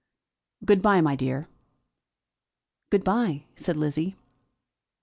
"Good bye, my dear." "Good bye," said Lizzie.